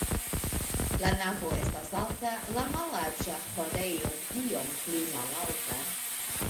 La navo estas alta, la mallarĝa ĥorejo iom pli malalta.